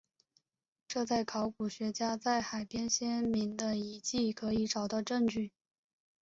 这在考古学家在海边先民的遗迹可以找到证据。